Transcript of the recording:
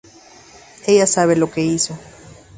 Ella sabe lo que hizo.